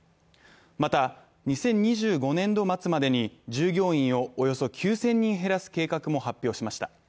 また２０２５年度末までに従業員をおよそ９０００人減らす計画も発表しました。